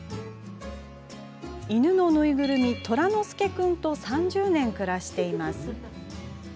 犬のぬいぐるみ、とらのすけ君と３０年、暮らしています。